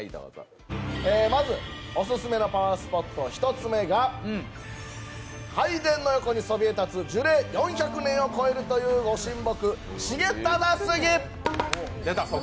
まず、おすすめのパワースポット一つ目が拝殿の横にそびえ立つ樹齢８００年を超えるというご神木、重忠杉。